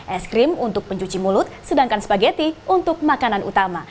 es krim untuk pencuci mulut sedangkan spageti untuk makanan utama